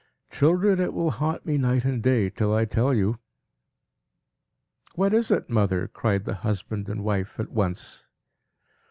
Children, it will haunt me night and day, till I tell you." "What is it, mother?" cried the husband and wife, at once.